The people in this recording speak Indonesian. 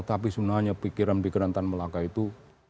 tapi sebenarnya pikiran pikiran tan melangkah itu